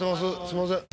すいません。